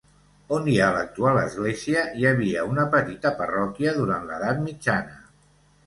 On hi ha l'actual església hi havia una petita parròquia durant l'edat mitjana.